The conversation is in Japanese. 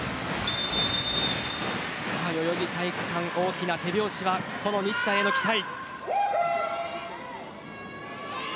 代々木体育館、大きな手拍子は西田への期待。